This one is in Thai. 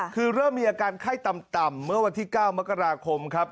คือเริ่มมีอาการไข้ต่ำเมื่อวันที่๙มกราคมครับ